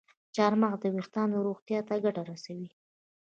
چارمغز د ویښتانو روغتیا ته ګټه رسوي.